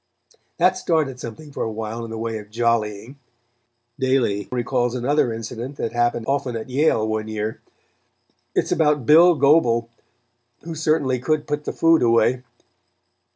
That started something for awhile in the way of jollying. Daly recalls another incident, that happened often at Yale one year. It is about Bill Goebel, who certainly could put the food away.